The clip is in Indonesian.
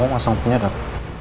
kamu pasang penyedap